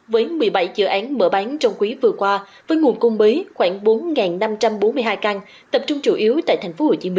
với một mươi bảy dự án mở bán trong quý vừa qua với nguồn cung mới khoảng bốn năm trăm bốn mươi hai căn tập trung chủ yếu tại tp hcm